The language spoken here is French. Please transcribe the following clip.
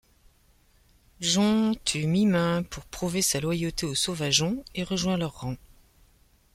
Jon tue Mimain pour prouver sa loyauté aux sauvageons, et rejoint leurs rangs.